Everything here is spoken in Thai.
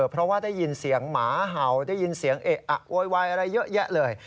เพราะว่าได้ยินเสียงหมาเห่าได้ยินเสียงเอะอะโวยวายอะไรเยอะแยะเลย